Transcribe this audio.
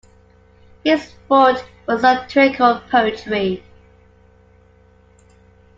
His forte was satirical poetry.